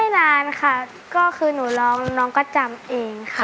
ไม่หลานค่ะก็คือนูร้องหนองก็จำเองเองค่ะ